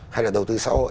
hay là đầu tư xã hội